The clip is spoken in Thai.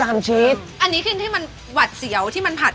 อันนี้คือที่มันหวัดเสียวที่มันผัด